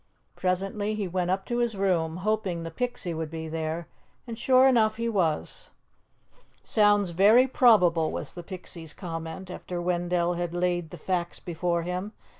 Presently, he went up to his room, hoping the Pixie would be there, and sure enough, he was. "Sounds very probable," was the Pixie's comment, after Wendell had laid the facts before him.